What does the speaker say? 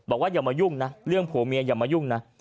อย่ามายุ่งนะเรื่องผัวเมียอย่ามายุ่งนะ